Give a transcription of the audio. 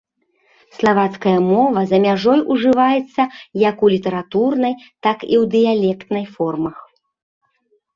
Славацкая мова за мяжой ужываецца як у літаратурнай, так і ў дыялектнай формах.